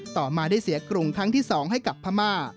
ต่อมาได้เสียกรุงครั้งที่๒ให้กับพม่า